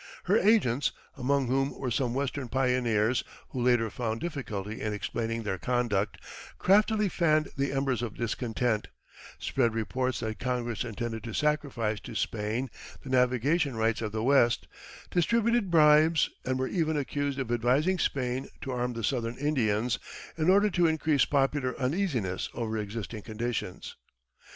Her agents among whom were some Western pioneers who later found difficulty in explaining their conduct craftily fanned the embers of discontent, spread reports that Congress intended to sacrifice to Spain the navigation rights of the West, distributed bribes, and were even accused of advising Spain to arm the Southern Indians in order to increase popular uneasiness over existing conditions.